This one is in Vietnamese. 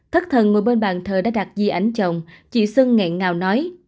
thất thần ngồi bên bàn thờ đã đặt di ảnh chồng chị sưng nghẹn ngào nói